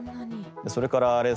それからあれですよね